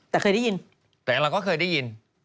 แต่เคยได้ยินแต่เราก็เคยได้ยิน